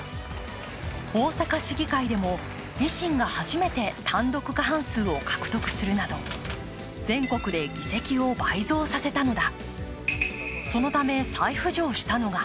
大阪市議会でも維新が初めて単独過半数を獲得するなど、全国で議席を倍増させたのだ。